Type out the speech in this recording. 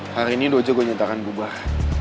hari ini dojo gue nyatakan bubar